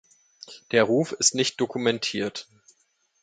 Der Ruf ist nicht dokumentiert.